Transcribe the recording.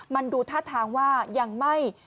มันดูท่าทางว่ายังไม่